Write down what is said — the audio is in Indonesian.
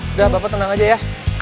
udah bapak tenang aja ya